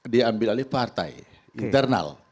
diambil oleh partai internal